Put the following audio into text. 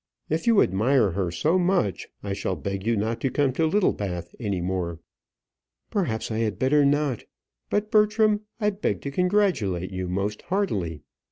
If you admire her so much, I shall beg you not to come to Littlebath any more." "Perhaps I had better not. But, Bertram, I beg to congratulate you most heartily.